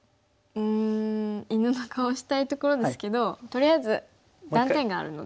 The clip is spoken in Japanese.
うん犬の顔したいところですけどとりあえず断点があるので。